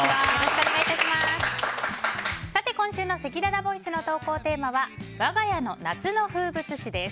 今週のせきららボイスの投稿テーマはわが家の夏の風物詩です。